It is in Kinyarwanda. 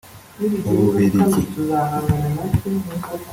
ububiligi